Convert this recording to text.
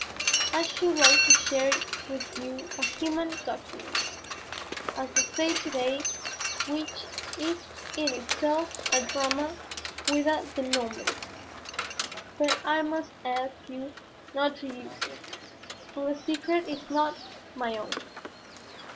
I should like to share with you a human document, as they say to day, which is in itself a drama with a dénouement. But I must ask you not to use it, for the secret is not my own."